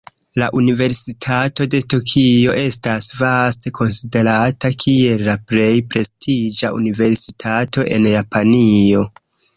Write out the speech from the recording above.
La Universitato de Tokio estas vaste konsiderata kiel la plej prestiĝa universitato en Japanio.